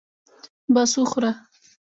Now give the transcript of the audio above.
بس وخوره.